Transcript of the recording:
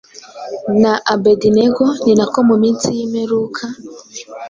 na Abedinego, ni nako mu minsi y’imperuka